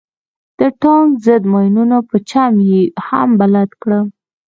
د ټانک ضد ماينونو په چم يې هم بلد کړم.